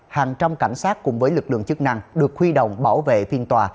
hàng trăm cảnh sát cùng với lực lượng chức năng được khuy động bảo vệ phiên tòa